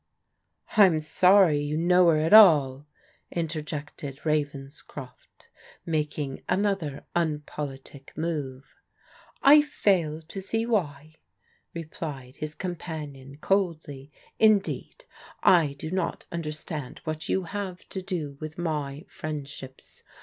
" I'm sorry you know her at all," interjected Ravens croft, making another unpolitic move. " I fail to see why," replied his companion coldly. " Indeed, I do not understand what you have to do with my friendships.